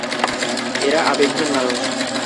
এরা আবেগহীন মানুষ।